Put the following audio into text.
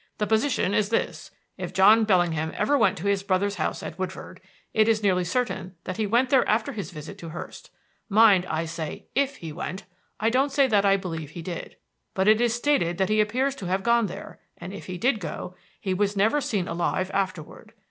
"The position is this: if John Bellingham ever went to his brother's house at Woodford, it is nearly certain that he went there after his visit to Hurst. Mind, I say 'if he went'; I don't say that I believe he did. But it is stated that he appears to have gone there; and if he did go, he was never seen alive afterward.